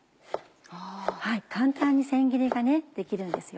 簡単にせん切りができるんですよ。